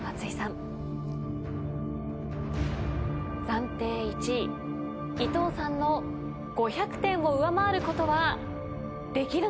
暫定１位伊藤さんの５００点を上回ることはできるのでしょうか。